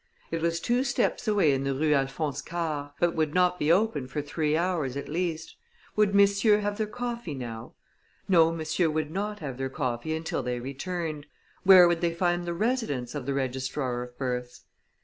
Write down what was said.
It was two steps away in the Rue Alphonse Karr, but would not be open for three hours, at least. Would messieurs have their coffee now? No, messieurs would not have their coffee until they returned. Where would they find the residence of the registrar of births?